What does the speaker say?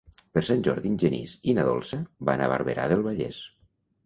Per Sant Jordi en Genís i na Dolça van a Barberà del Vallès.